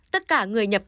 tất cả người nhập cảnh